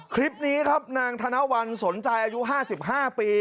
คลิปนี้ครับนางธนวัลสนใจอายุ๕๕ปี